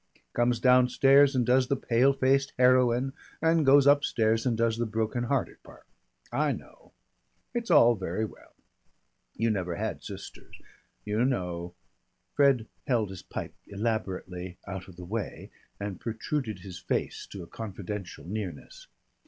Comes downstairs and does the pale faced heroine and goes upstairs and does the broken hearted part. I know. It's all very well. You never had sisters. You know " Fred held his pipe elaborately out of the way and protruded his face to a confidential nearness.